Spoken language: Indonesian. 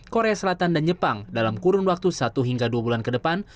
korea selatan dan jepang dalam kurun waktu satu hingga dua bulan ke depan